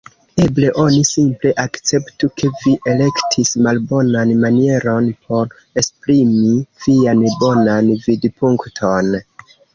Eble oni simple akceptu, ke vi elektis malbonan manieron por esprimi vian bonan vidpunkton.